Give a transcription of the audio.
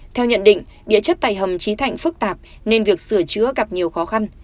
theo nhận định địa chất tại hầm trí thạnh phức tạp nên việc sửa chữa gặp nhiều khó khăn